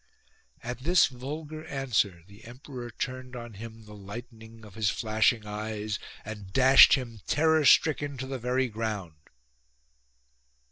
At this vulgar answer the emperor turned on him the lightning of his flashing eyes and dashed him terror stricken to the very ground.